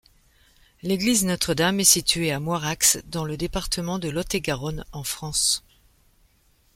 L'église Notre-Dame est située à Moirax, dans le département de Lot-et-Garonne, en France.